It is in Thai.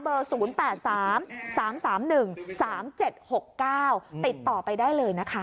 ๐๘๓๓๑๓๗๖๙ติดต่อไปได้เลยนะคะ